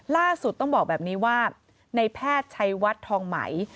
ล่าสุดต้องบอกแบบนี้ว่าในแพทย์ชัยวัดทองไหม